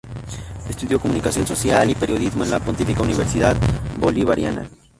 Estudió Comunicación Social y periodismo en la Pontificia Universidad Bolivariana.